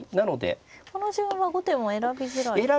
この順は後手も選びづらいですね。